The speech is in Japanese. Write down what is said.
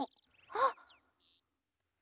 あっ！